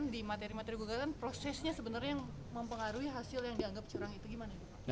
di materi materi gugatan prosesnya sebenarnya yang mempengaruhi hasil yang dianggap curang itu gimana